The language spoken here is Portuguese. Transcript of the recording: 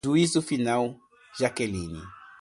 Juiz Final Jaqueline